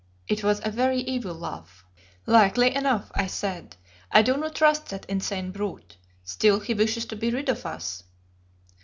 It was a very evil laugh. "Likely enough," I said. "I do not trust that insane brute. Still, he wishes to be rid of us."